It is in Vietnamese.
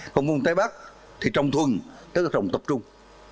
còn vùng tây bắc thì trồng thuần tức là trồng tập trung